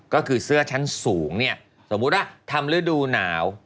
ก็คือเสื้อชั้นสูงเนี่ยสมมุติว่าทำฤดูหนาว